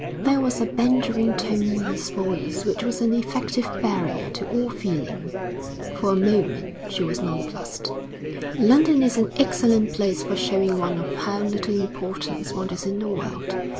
There was a bantering tone in his voice which was an effective barrier to all feeling. For a moment she was nonplussed. 'London is an excellent place for showing one of how little importance one is in the world.